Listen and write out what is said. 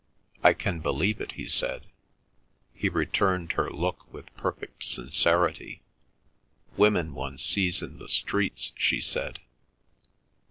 "I can believe it," he said. He returned her look with perfect sincerity. "Women one sees in the streets," she said.